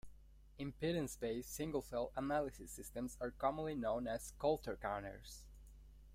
Impedance-based single cell analysis systems are commonly known as Coulter counters.